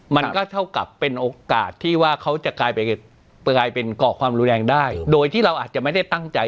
มันก็เท่ากับเป็นโอกาสที่ว่าเขาจะกลายเป็นก่อความรุนแรงได้โดยที่เราอาจจะไม่ได้ตั้งใจ